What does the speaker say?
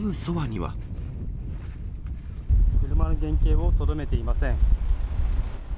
車の原形をとどめていません。